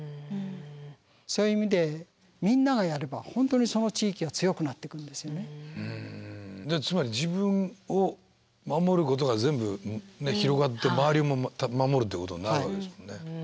そういう意味でじゃつまり自分を守ることが全部広がって周りも守るってことになるわけですもんね。